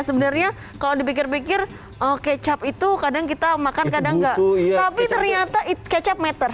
sebenarnya kalau dipikir pikir oke kecap itu kadang kita makan kadang enggak tapi ternyata kecap matter